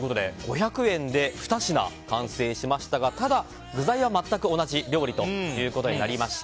５００円で２品完成しましたがただ、具材は全く同じ料理ということになりました。